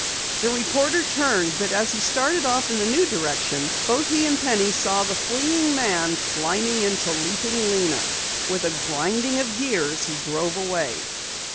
The reporter turned, but as he started off in the new direction, both he and Penny saw the fleeing man climbing into Leaping Lena. With a grinding of gears, he drove away.